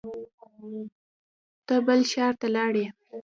ته بل ښار ته لاړې